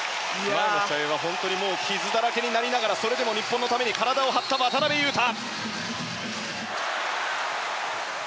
体が傷だらけになりながらそれでも日本のために体を張った渡邊雄太。